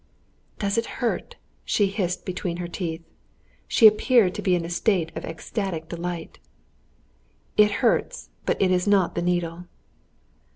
"Does it hurt?" she hissed between her teeth. She appeared to be in a state of ecstatic delight. "It hurts, but it is not the needle."